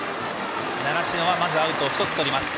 習志野はアウトを１つとります。